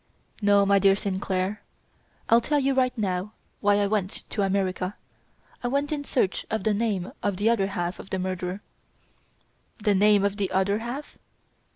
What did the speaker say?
"No, my dear Sainclair, I'll tell you right now why I went to America. I went in search of the name of the other half of the murderer!" "The name of the other half?"